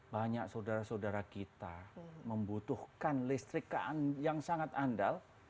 banyak saudara saudara kita membutuhkan listrik yang sangat andal